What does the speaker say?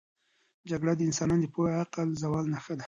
جګړه د انسانانو د پوهې او عقل د زوال نښه ده.